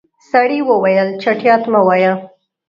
سړی وويل چټياټ مه وايه.